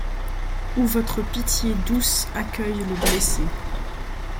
Où votre pitié douce accueille le blessé